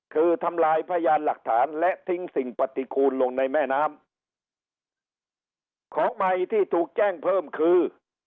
คือทำลายพยานหลักฐานและทิ้งสิ่งปฏิกูลลงในแม่น้ำของใหม่ที่ถูกแจ้งเพิ่มคือ